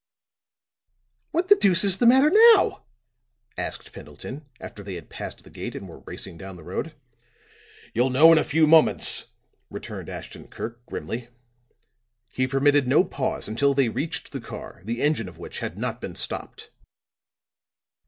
"What the deuce is the matter now?" asked Pendleton, after they had passed the gate and were racing down the road. "You'll know in a few moments," returned Ashton Kirk grimly. He permitted no pause until they reached the car, the engine of which had not been stopped.